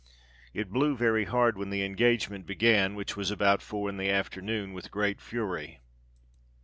It blew very hard when the engagement began, 1 which was about four in the after noon, with great fury.